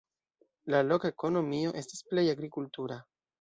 La loka ekonomio estas pleje agrikultura.